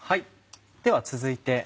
では続いて。